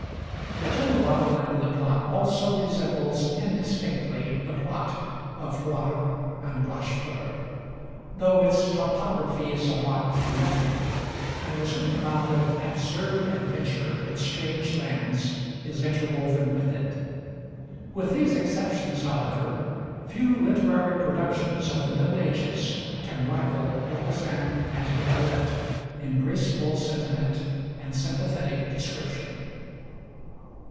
The general outline of the plot also resembles indistinctly the plot of Floire and Blanchefleur, though its topography is somewhat indefinite, and a certain amount of absurd adventure in strange lands is interwoven with it. With these exceptions, however, few literary productions of the Middle Ages can rival 'Aucassin and Nicolette' in graceful sentiment and sympathetic description.